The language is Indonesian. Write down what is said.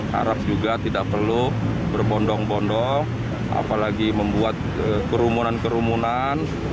harap juga tidak perlu berbondong bondong apalagi membuat kerumunan kerumunan